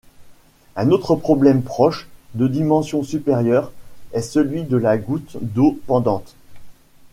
Un autre problème proche, de dimension supérieure, est celui de la goutte d'eau pendante.